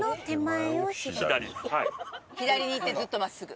左に行ってずっと真っすぐ？